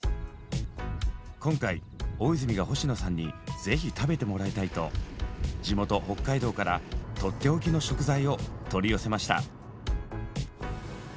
今回大泉が星野さんに「是非食べてもらいたい」と地元北海道からとっておきの食材を取り寄せました。